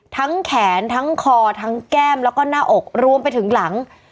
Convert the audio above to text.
แขนทั้งคอทั้งแก้มแล้วก็หน้าอกรวมไปถึงหลัง